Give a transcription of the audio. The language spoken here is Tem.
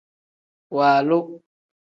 Waalu.